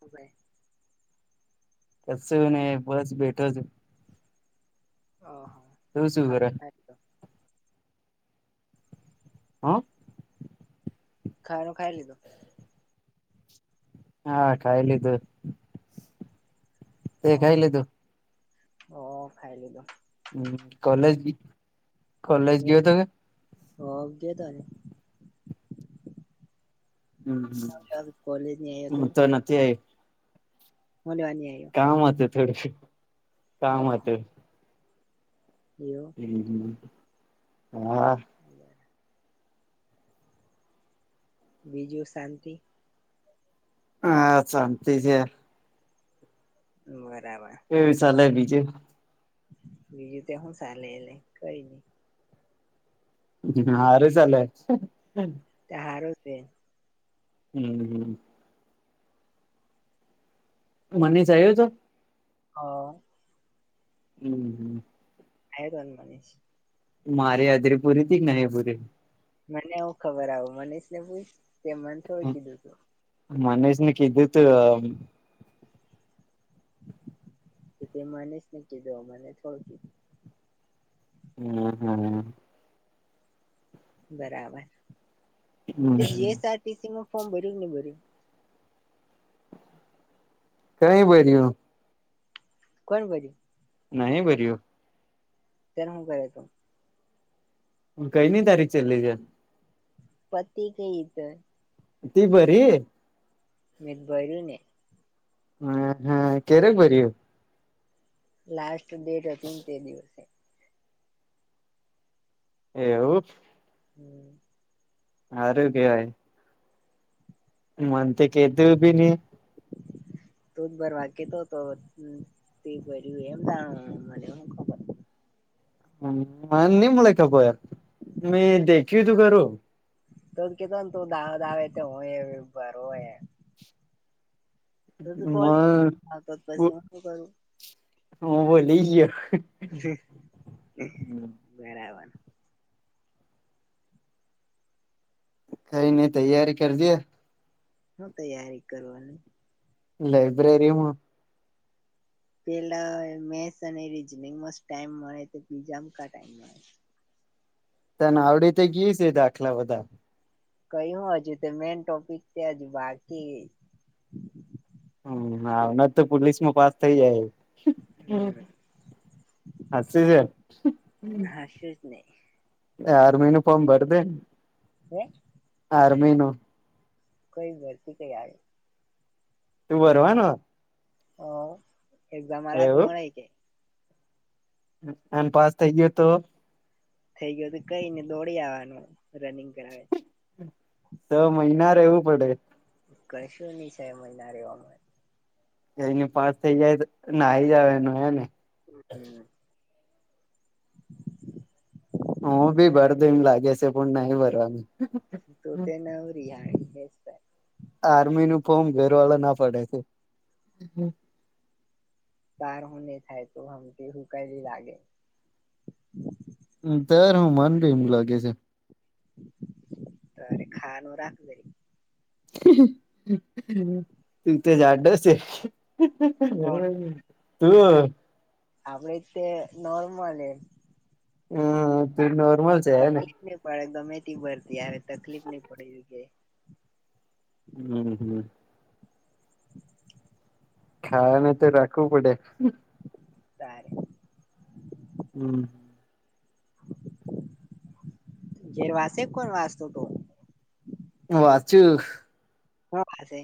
હોવે કશુ ની બસ બેઠો છું. ઓહ તું શું ખાય કરે હ ખાય તો [inaudible] હા ખાવાનું ખાઈ લીધો હા ખાઈ લીધું તે ખાઈ લીધું ઓહો બો ખાઈ લીધું હમ્મ કલેજ કલેજ ગયો તો કે હ ગયો તો ને કોલેજ ની હતુ હું તો નથી આઈ હુ લેવા ની આયો કામ હતુ થોડી કામ હતુ એવુ હમ્મ હા બરા બીજું શાંતિ હા શાંતી છે. બરાબર. એવી ચાલે બીજે બીજું તે હું ચાલે એલે કયની હા અરે ચાલે તે હારો છે. હમ હમ. મને [unintelligible] તો હ. હમ હ. આરન મનીશ મારી હાજરી પૂરી તી કે નહી પૂરી મને એવું ખબર આવ મનીષને પૂછ તે મને થોડુ કીધું તું મનેષને કીધ તો તો તે મનેસને કીધુ મને થોડું કી હા હમ. બરાબર જીએસઆરટીસીમા ફોર્મ ભર્યું કે નહી ભર્યું? કઈ બર્યું કોણ [unintelligible] નહી ભર્યું તયારે કરે તો કઈની તારીખ ચેલ્લી છે. [inaudible] તી ભરી મેત ભરી ને હા હા કયારે ભયુ લાસ્ટ ડેટ હતી ન તે દિવસે એવું હમ. હારું કેવાય મન તે કેધુભી ની [unintelligible] [unintelligible] [unintelligible] તુ તુ મન કોલેજમા પછી હુ શું કરું [inaudible] હું બોલી ગયો બરાબર. કઈ ની તૈયારી કર જે હુ તૈયારી કરવાની? લાઈબ્રરીમાં પેલા મેથ્સ અને રીઝનિંગ મસ ટાઈમ મળે તો બીજામ કા ટાઈમ મળે તને આવડી તો ગી છે, દાખલા બધા કયું હજુ તે મેન ટોપિક તેજ બાકી હમના તો પોલીસમાં પાસ થઇ જાય [inaudible] હાચુ છે. હાશું જ નહી આરમિનુ ફારમ ભર દે [inaudible] આરમીનું કઈ ભરતી કઈ આવે? તું ભરવાનો? - હ એક ઝામલાત એવું મળે કે. અને પાસ થઇ ગયો તો? થઈ ગયો તો કઈને દોડી આવવાનું રનિંગ કરાવે. છ મહિના રહેવું પડે. કશું ની છે મહિના રેવામા. એઈને પાસ થઇ જાય તો નાઈ જાવાનું હેને. હમ હુ ભી ભર દઈને લાગે છે પણ નહી ભરવાનું. તો તે નવરી અને. આર્મીનું ફોર્મ ઘરવાળા ના પડે છે. તારને થાય તો હમ કે હું કલી લાગે. તાર હું મને બી એમ લાગે છે. તરી ખાવાનું રાખ જે. તું તો જાડો છે. કોણ તું. આપડ તે નોર્મલ હે. હમ્મ તુ નોર્મલ છે હે ને. ની પડે ગમે તેવી ભરતી આવે તકલીફ ની પડે એવું કે. હમ્મ હમ્મ. ખાવા ને તો રાખવું પડે. તારે. હમ્મ. ઘેર વાસે કોણ વાસતો તો. વાચું. હુ વાંચે?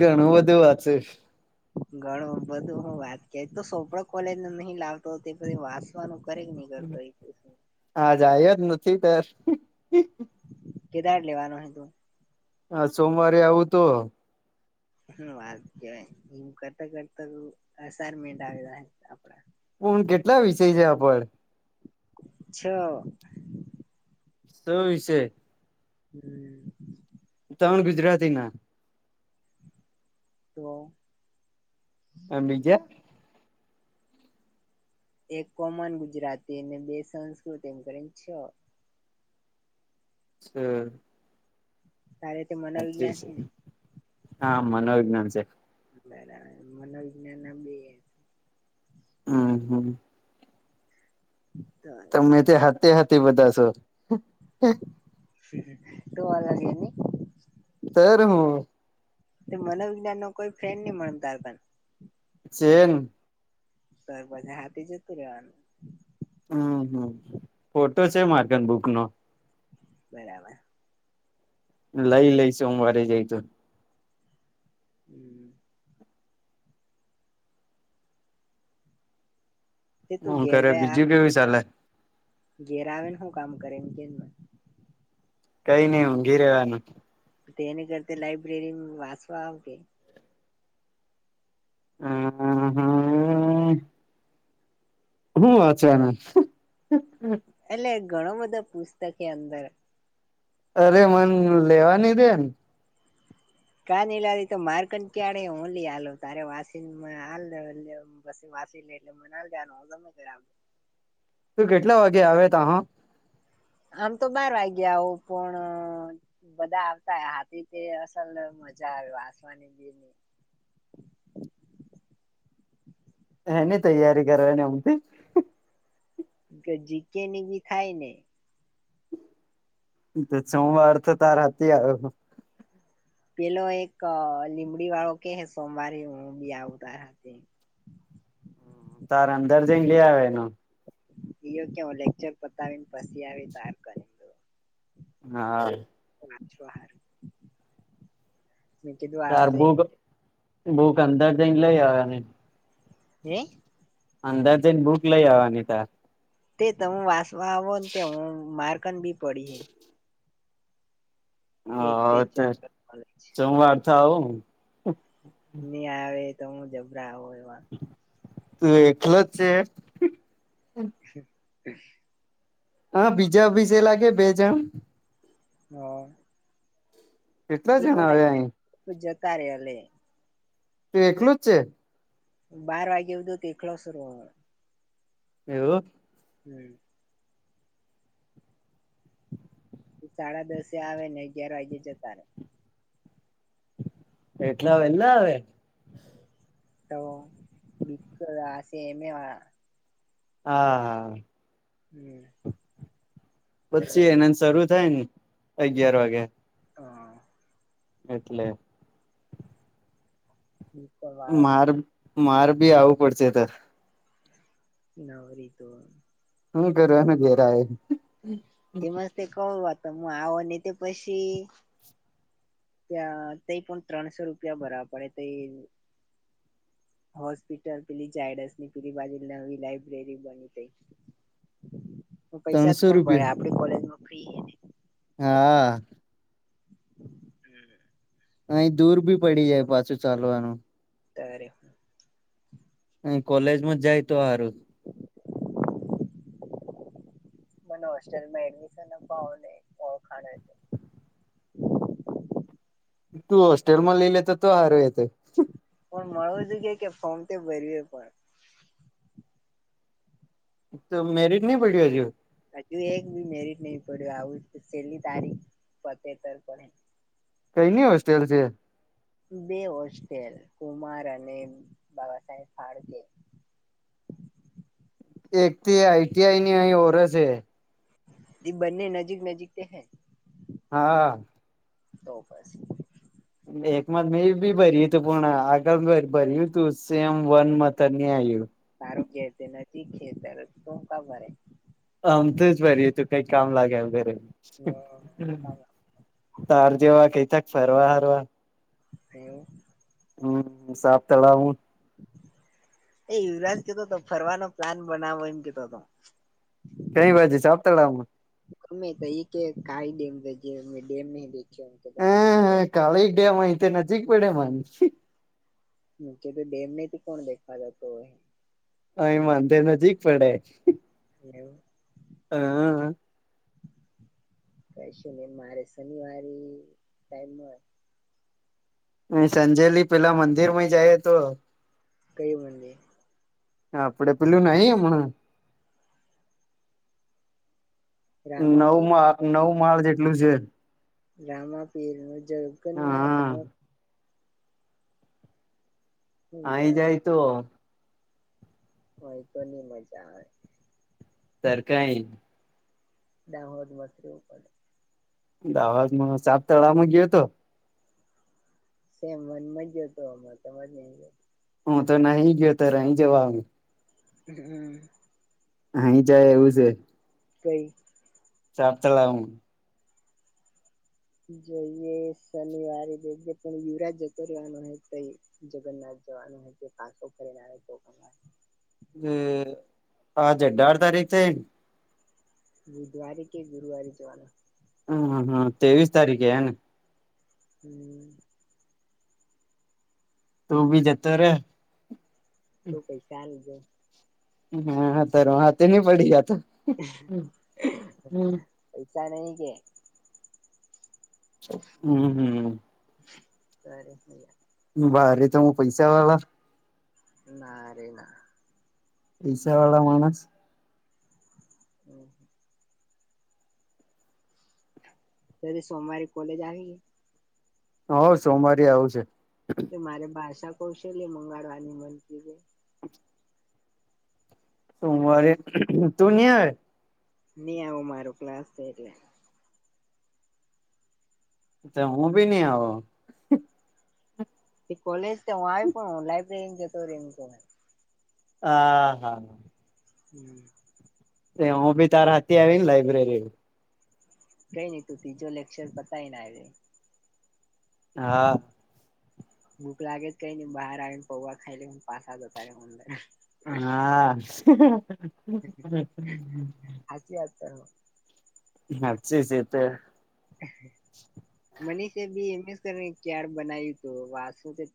ઘણું બધું વાચું. ઘણ બધું હું વાત કય તો સોપડા કોલેજનો નહી લાવતો પછી વાસ લખવાનું કરે કે ની કરતો એ. આજ આયો જ નથી તે. કેદાર લેવાનો હ તું?. આ સોમવારે આવું તો. હું વાત કેવાય એમ કરતા-કરતા અસાઇમેન્ટ આવે આપડા. કુલ કેટલા વિષય છે આપડ? છ. છ વિષય. હમ્મ. ત્રણ ગુજરાતીના. તો. એમ બીજે. એક કોમન ગુજરાતી અને બે સંસ્કૃત એમ કરીને છ. છ. તારે તે મત. હાચુ છે હા મનોવિજ્ઞાન છેે. એ એને મનોવિજ્ઞાનના બે. હમ્મ હમ્મ. [unintelligible] તમે ત્યા હાતે હાતે બધા છો. તું અલગ હે ની. તેર હું. તે મનોવિજ્ઞાન નો કોઈ ફ્રેન્ડ નહી મળે તારા પાહે. ચેન સર પછી હાથી જતું રહેવાનું. હમ હમ ફોટો છે માર્કન બુક નો. બરાબર. લઈ લઈ સોમવારે જાય તો. હમ તે તું હું ઘેર કરે બીજું કેવું ચાલે ઘેર આવેને હુ કામ કરે ન એમ કે? કઈ નઈ ઊંઘી રહેવાનું. તેની કરતા લાઈબ્રેરી વાંચવા આવ કે. હા હું વાંચવાના? એટલે ઘણો બધો પુસ્તક એ અંદર. અરે મન લેવાની દે ન. કા ની લેવાદી તો માર્કડ કેળે હું લીઆલુ તારે વાસીનમાંલદે પછી વાસી લે એટલે મનાલ હું જમા કરાવ તું કેટલા વાગે આવે તા હા? આમ તો બાર વાગે આવુ પણ બધા આવતા હાથી તે અસલ મજા આવે વાસવાની બે ની હની તૈયારી કરવાની એમતી. કે જીકે ની ભી થાય ને. સોમવાર તાર હતી આવ્યો પેલો એક લીમડી વાળો કે હે સોમવારે હું બી આવ તાર‌હાથ. તારે અંદર જઈ લે આવે એનો એયો કેવ લેકચર પતાવીને પછી આવે તાર. હા વાંચવા હારું. મેં કીધું તાર આવજે ભૂક એમ કે ભૂક અંદર જઈને લઈ આવની. હે? અંદર જેને બુક લઈ આવવાની તાર. તે તમ વાંસવા આવોને તે હું મારકન બી પડી હે. એક તે હ જનરલ નોલેજ. સોમવાર તો આવું. નહી આવે તો હું જબરા આવો એવા. તું એકલો જ છે. [unintelligible] હા બીજા બીસે લાગે બે જણ. હા કેટલા જણા આવે અહીં. પણ જતા રેઅલે તું એકલું જ છે. બાર વાગે હુધી એકલો [unintelligible] એવું હમ સાડા દસે આવે ને અગિયાર વાગે જતા રે. એટલા વેલા આવે. તો બી આશે એમે હા હા હમ પછી એના શરૂ થાય ને અગિયાર વાગે હા એટલે? ઠીક. માર માર બી આવું પડશે ત. નારી તો. હું કરવાનું, ગેરા એ. મને તે કવો વાત આવો ને, તે પછી. ત્યાં તે પણ ત્રણસો રૂપિયા ભરા પડે તે. હોસ્પિટલ પીલીઝાયડસની પેલી બાજુ નવી લાયબ્રેરી બની હતી. [unintelligible] હ, પૈસા જ કોણ ભરે, રૂપિયા આપડી કોલેજમાં ફ્રી છે ને. હા. હમ. અહી દૂર ભી પડી જાય, પાછું ચાલવાનું. ત્યારે. કોલેજમાં જાય તો, હારું. મને હોસ્ટેલમાં એડમિશન અપાવને, ઓળખાણ તું હોસ્ટેલ માં લઈ લેતો, તો હારુ એ હતો. પણ મળું જો કે, કે ફોર્મ તે ભર્યું પણ. તો મેરિટ નહીં પડ્યું, હજુ. હજુ એક બી મેરિટ નહી પડ્યું, આવું છેલ્લી તારીખ પતેતર પણે. કઈની હોસ્ટેલ છે? બે હોસ્ટેલ કુમાર અને બાબા સાહેબ ફાળકે. એક થી આઈ. ટી. આઈ ની અહીં ઓર છે. જેિ બન્ને નજીક નજીક તે હૈ. હા. તો પાસ. એકમા મેં બી ભરીયું હતુ, પૂર આગ ભરી. તું સેમ વન મત ન આવ્યું. આરોગ્ય તે નથી, ખેતરે તમે ખબર. અમથું જ ભયુ હતું, કંઈ કામ લાગે વગેરે. તાર જેવા કંઈક તક ફરવા હરવા. એવું. હમ, સાફ તળાવું. એ યુવરાજ કતો હતો, ફરવાનો પ્લાન બનાવો, એમ કતો હતો. કઈ બાજુ સાપ તળાવમાં? અમે તો એ કઈ ડેમ નઈ દેખ્યો, અમે ડેમ ને બેયોને તે કીધું. હવે તે ડેમ અહીંથી નજીક પડે એમ. નીચે તો ડેમને કોણ દેખવા જતો હોય. અહીં માંડે નજીક પડે. એવું. હા. કશુ નહી, મારે શનિવારે ટાઈમ ન હોય. સાંજે પેલા મંદિર માં જાય તો. કઈ બંને. હા, આપડે પેલું નહી, હમણાં. નવું રામાપીર માં નવુ માળ જેટલું છે. રામાપીરનુ જળખાણ નુ હા આવા. આય જાય તો. હા, ઉપરની મજા આવે. સર કાઈ? દાવત વધતું ગયું દાહોદ માં સાત તળાવમાં ગયો હતો સેમ વન માં ગયો તો તમાર જેમ હુ તો નહી ગયો તો રહી જવાનો હમ્મ. અહી જાય એવું છે. કઈ સાત તળાવમાં જોઈએ શનિવારે જઈએ પણ યુવરાજ જતો રેવાનો તો હતો જગન્નાથ જવાનું તે પાછો ફરીને આયો તો [unintelligible] હમ્મ આજે અઢાર તારીખ થઈ બુધવારે કે ગુરુવારે જવાના હમ્મ હમ્મ ત્રેવીસ તારીખે હે ને હમ્મ. તું બી જતો રે તો પૈસા આલ જઉ હા હા તો રવાના થઈ પડી ગયા તો હમ [inaudible] પૈસાા નહિ કે હમ્મ હમ્મ. સરસ બારે તો હું પૈસા વાળા ના રે ના પૈસા વાળા માણસ હમ્મ. પેલી સોમવારે કોલેજ આવી ગી હઓ સોમવારે આવસે કે મારે ભાષા કૌશલ્ય મંગળવારની મનતી છે સોમવારે તું નહીં આવે નહી આવું મારો ક્લાસ છે એટલે તે હું ભી નહીં આવું એ કોલેજ તો હું આવી પણ હું લાઈબ્રેરીમાં જતો રે એમ કઉ હા હા [inaudible] એ હું બી તારા હાથે આવી ને લાયબ્રેરીમા કઈ નહી તું ત્રીજો લેક્ચર પતાય ના આય હા. ભૂક લાગે કઈ નહી બહાર આવી પૌવા ખાઈલી પાસા જતા રે ઓનલાઈન હા. [inaudible] જ્યાં ત્યાં હજી છે તે મનીષે બી એમ જ કર ક્યાર બનાવ્યું હતું વાસું